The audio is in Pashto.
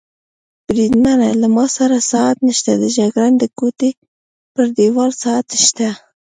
بریدمنه، له ما سره ساعت نشته، د جګړن د کوټې پر دېوال ساعت شته.